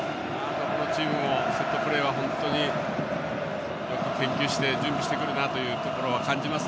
どのチームもセットプレーはよく研究して準備してくるなという感じします。